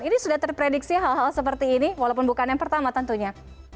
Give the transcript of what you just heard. ini sudah terprediksi hal hal seperti ini walaupun bukan yang pertama tentunya